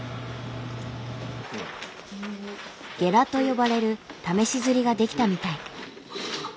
「ゲラ」と呼ばれる試し刷りが出来たみたい。